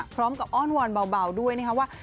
พร้อมกับอ้อนวานเบาด้วยนะครับว่า